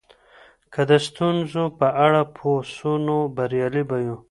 که د ستونزو په اړه پوه سو نو بریالي به یو.